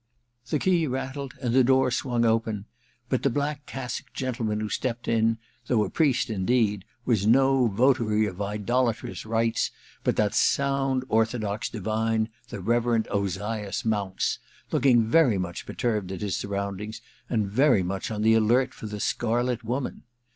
The key rattled, and the door swung open — but the black cassocked gentleman who stepped in, though a priest indeed, was no votary of idolatrous rites, but that sound orthodox divine, the Reverend Ozias Mounce, looking very much perturbed at his surroundings, and very much on the alert for the Scarlet Woman.